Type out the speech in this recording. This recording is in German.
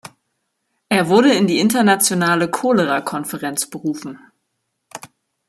Er wurde in die Internationale Cholera-Konferenz berufen.